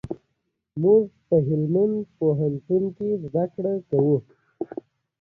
اقلیم د افغانستان د صادراتو برخه ده.